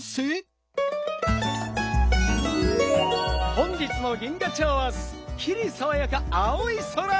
本日も銀河町はすっきりさわやか青い空！